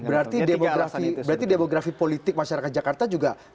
berarti demografi politik masyarakat jakarta juga